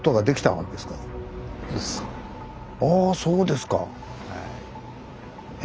ああそうですか！